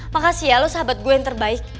makasih lo sahabat gue yang terbaik